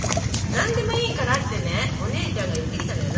「何でもいいから」ってねお姉ちゃんが言ってきたのよ。